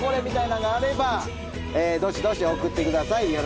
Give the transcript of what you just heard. みたいなのがあればどしどし送ってください。